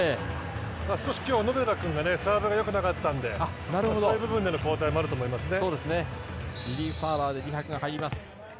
少し今日は小野寺君がサーブがよくなかったのでそういう部分でも交代もあると思いますね。